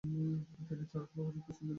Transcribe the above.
তিনি চার খেলায় উপর্যুপরি সেঞ্চুরি করেছিলেন।